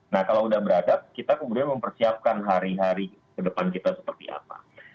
nah kalau sudah beradab kita kemudian mempersiapkan hari hari ke depan kita seperti apa